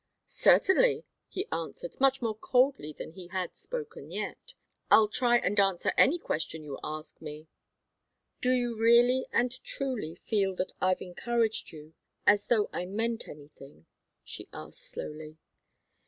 "Certainly," he answered, much more coldly than he had spoken yet. "I'll try and answer any question you ask me." "Do you really and truly feel that I've encouraged you, as though I meant anything?" she asked, slowly.